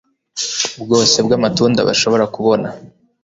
bwose bw’amatunda bashobora kubona.